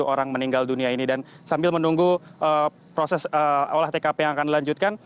tujuh orang meninggal dunia ini dan sambil menunggu proses olah tkp yang akan dilanjutkan